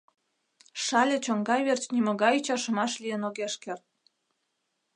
Шале чоҥга верч нимогай ӱчашымаш лийын огеш керт.